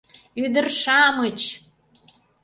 Ӱ-ӱдыр-ша-амыч!